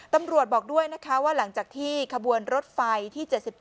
บอกด้วยนะคะว่าหลังจากที่ขบวนรถไฟที่๗๗